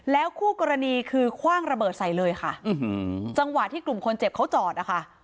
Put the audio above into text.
คู่กรณีคือคว่างระเบิดใส่เลยค่ะจังหวะที่กลุ่มคนเจ็บเขาจอดนะคะ